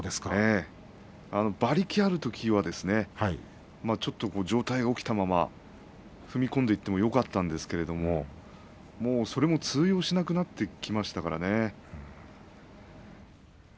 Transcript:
馬力があるときは上体が起きたまま踏み込んでいってもよかったんですけれどそれも通用しなくなってきましたからね。